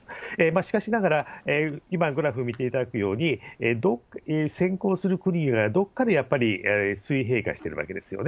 しかしながら今、グラフ見ていただくように、どこに先行する国がどっかでやっぱり、水平化しているわけですよね。